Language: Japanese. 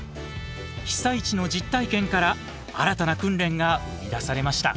被災地の実体験から新たな訓練が生み出されました。